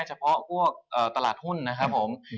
เฉพาะพวกตลาดหุ้นนะครับผม